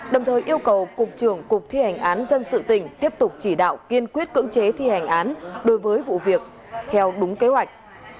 đồng thời yêu cầu cục trưởng cục thi hành án dân sự tỉnh tiếp tục chỉ đạo kiên quyết cưỡng chế thi hành án đối với vụ việc theo đúng kế hoạch